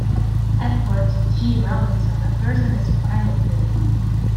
Edward G. Robinson appears in his final film.